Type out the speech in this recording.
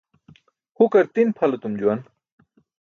Hukar ti̇n pʰal etum juwan.